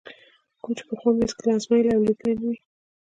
کوم چې پخوا مې هېڅکله ازمایلی او لیدلی نه وي.